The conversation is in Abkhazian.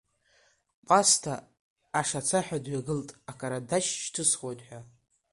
Кәасҭа ашацаҳәа дҩагылт, акарандашь шьҭысхуеит ҳәа.